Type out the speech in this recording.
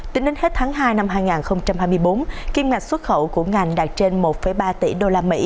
tính đến hết tháng hai năm hai nghìn hai mươi bốn kim ngạch xuất khẩu của ngành đạt trên một ba tỷ usd